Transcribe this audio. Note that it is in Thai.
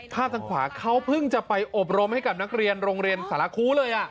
ทางขวาเขาเพิ่งจะไปอบรมให้กับนักเรียนโรงเรียนสารคูเลย